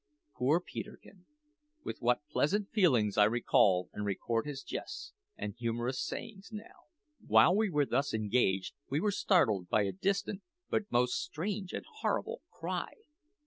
Poor Peterkin! with what pleasant feelings I recall and record his jests and humorous sayings now! While we were thus engaged we were startled by a distant, but most strange and horrible, cry.